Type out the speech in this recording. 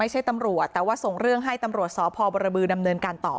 ตำรวจแต่ว่าส่งเรื่องให้ตำรวจสพบรบือดำเนินการต่อ